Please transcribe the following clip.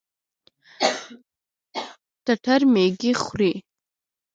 تتر ميږي خوري.